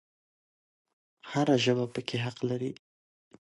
هر ژبه پکې حق لري